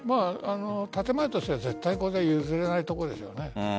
建前としては絶対譲れないところですよね。